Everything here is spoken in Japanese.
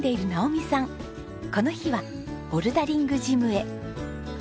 この日はボルダリングジムへ。